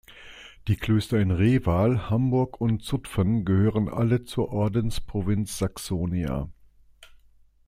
Die Klöster in Reval, Hamburg und Zutphen gehörten alle zur Ordensprovinz Saxonia.